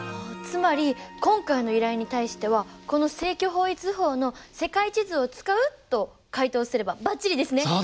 つまり今回の依頼に対してはこの正距方位図法の世界地図を使うと回答すればバッチリですね！